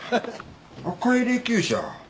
赤い霊きゅう車。